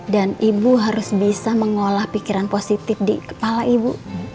dan ibu harus bisa mengolah pikiran positif di kepala ibu